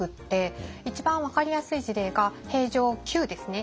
一番分かりやすい事例が平城宮ですね。